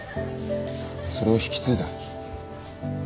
それを引き継いだ。